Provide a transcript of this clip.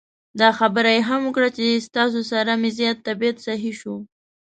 دا خبره یې هم وکړه چې ستاسو سره مې زیات طبعیت سهی شو.